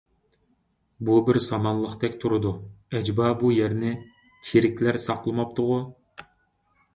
بۇ بىر سامانلىقتەك تۇرىدۇ، ئەجەبا بۇ يەرنى چېرىكلەر ساقلىماپتۇغۇ؟